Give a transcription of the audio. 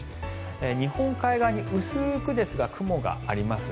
日本海側に薄くですが雲があります。